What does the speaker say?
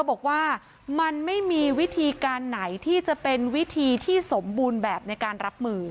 บอกว่ามันไม่มีวิธีการไหนที่จะเป็นวิธีที่สมบูรณ์แบบในการรับมือ